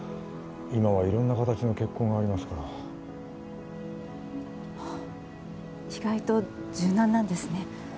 今は色んな形の結婚がありますからあっ意外と柔軟なんですね